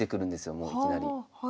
もういきなり。